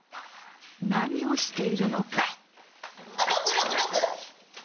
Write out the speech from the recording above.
何をしているのか。